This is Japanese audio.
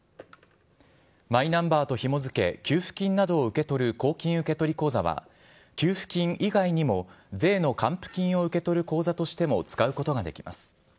マイナンバーとひもづけ、給付金などを受け取る公金受取口座は、給付金以外にも税の還付金を受け取る口座としても使うことができます。